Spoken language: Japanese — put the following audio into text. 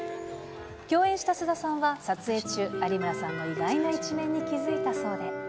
共演した菅田さんは撮影中、有村さんの意外な一面に気づいたそうで。